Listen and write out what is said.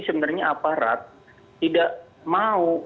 sebenarnya aparat tidak mau